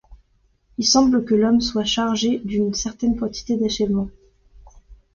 Il semble que l’homme soit chargé d’une certaine quantité d’achèvement.